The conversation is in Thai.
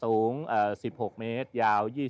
สูง๑๖เมตรยาว๒๔เมตร